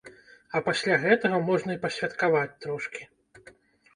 А пасля гэтага можна і пасвяткаваць трошкі.